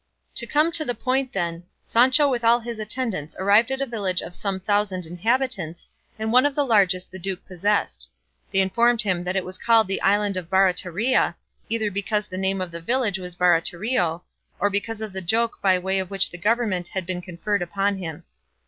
To come to the point, then Sancho with all his attendants arrived at a village of some thousand inhabitants, and one of the largest the duke possessed. They informed him that it was called the island of Barataria, either because the name of the village was Baratario, or because of the joke by way of which the government had been conferred upon him.